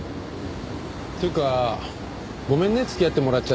っていうかごめんね付き合ってもらっちゃって。